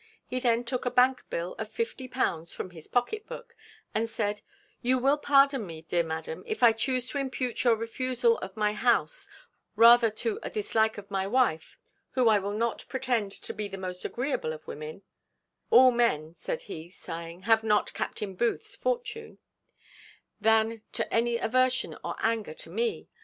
He then took a bank bill of fifty pounds from his pocket book, and said, "You will pardon me, dear madam, if I chuse to impute your refusal of my house rather to a dislike of my wife, who I will not pretend to be the most agreeable of women (all men," said he, sighing, "have not Captain Booth's fortune), than to any aversion or anger to me.